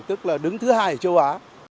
tức là đứng thứ hai ở châu á